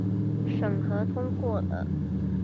審核通過了